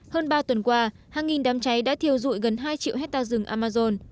hơn ba tuần qua hàng nghìn đám cháy đã thiêu dụi gần hai triệu hectare rừng amazon